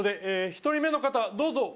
「１人目の方どうぞ」